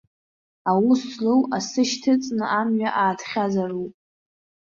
Аус злоу, асы шьҭыҵны, амҩа аатхьазароуп.